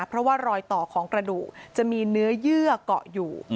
เพราะว่ารอยต่อของกระดูกจะมีเนื้อเยื่อเกาะอยู่